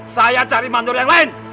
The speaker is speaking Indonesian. saya cari mandor yang lain